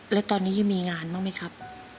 แล้วตอนนี้ยังมีงานบ้างไหมครับ